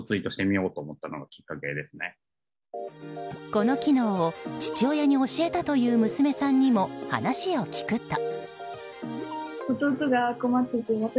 この機能を父親に勧めたという娘さんにも話を聞くと。